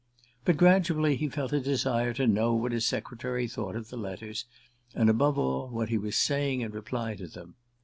But gradually he felt a desire to know what his secretary thought of the letters, and, above all, what he was saying in reply to them.